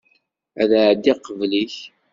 Ad εeddiɣ qbel-ik.